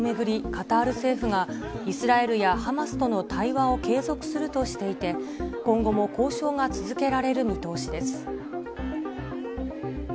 カタール政府が、イスラエルやハマスとの対話を継続するとしていて、今後も交渉が続けられる見通しです。